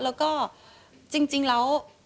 แล้วก็จริงแล้ว